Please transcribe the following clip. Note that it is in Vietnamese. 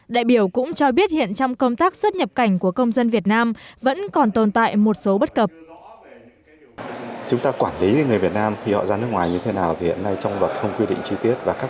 đại biểu cũng cho biết hiện trong công tác xuất nhập cảnh của công dân việt nam vẫn còn tồn tại một số bất cập